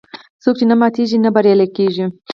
څوک چې نه ماتیږي، نه بریالی کېږي.